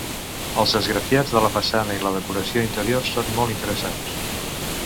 Els esgrafiats de la façana i la decoració interior són molt interessants.